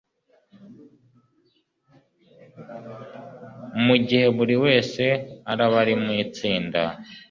mu gihe buri wese araba ari mu itsinda